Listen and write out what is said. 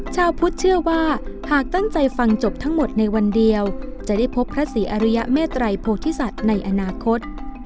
ชาวพุทธเชื่อว่าหากตั้งใจฟังจบทั้งหมดในวันเดียวจะได้พบพระศรีอริยเมตรัยโพธิสัตว์ในอนาคต